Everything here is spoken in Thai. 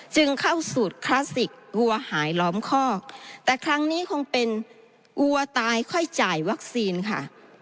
จึงเข้าสูตรคลาสสิกวัวหายล้อมคอกแต่ครั้งนี้คงเป็นวัวตายค่อยจ่ายวัคซีนค่ะ